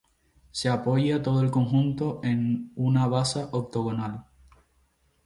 Se apoya todo el conjunto en una basa octogonal.